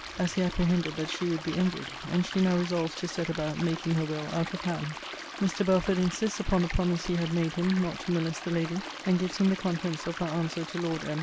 as he apprehended that she would be envied: and she now resolves to set about making her will out of hand.' [Mr. Belford insists upon the promise he had made him, not to molest the Lady: and gives him the contents of her answer to Lord M.